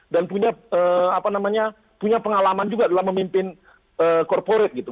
dan punya apa namanya punya pengalaman juga dalam memimpin korporate gitu